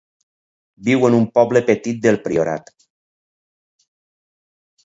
Viu en un poble petit del Priorat.